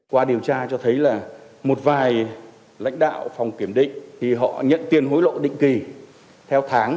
qua điều tra cho thấy là một vài lãnh đạo phòng kiểm định thì họ nhận tiền hối lộ định kỳ theo tháng